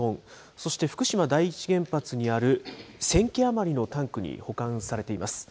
そして福島第一原発にある１０００基余りのタンクに保管されています。